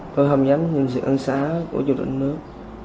tôi không dám nhìn sự ân xá của chủ định nước